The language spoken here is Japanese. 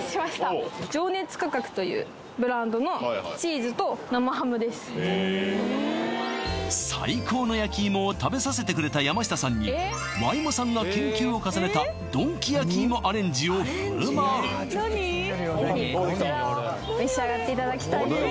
はいはいへえ最高の焼き芋を食べさせてくれた山下さんにｙもさんが研究を重ねたドンキ焼き芋アレンジを振る舞うこちらを召し上がっていただきたいと何何？